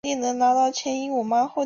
因此成绩较好便拥有主场优势。